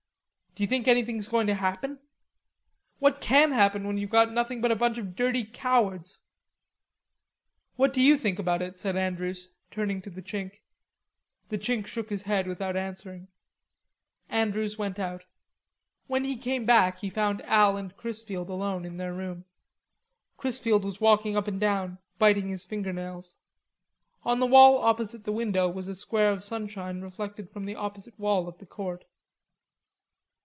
"D'you think anything's going to happen?" "What can happen when you've got nothing but a bunch of dirty cowards?" "What d'you think about it?" said Andrews, turning to the Chink. The Chink shook his head without answering. Andrews went out. When he cams back he found Al and Chrisfield alone in their room. Chrisfield was walking up and down, biting his finger nails. On the wall opposite the window was a square of sunshine reflected from the opposite wall of the Court.